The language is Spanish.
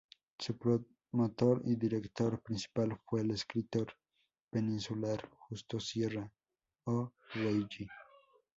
Su promotor y director principal fue el escritor peninsular Justo Sierra O'Reilly.